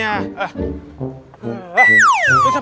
ya boleh buat apa